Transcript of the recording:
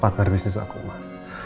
pakar bisnis aku mak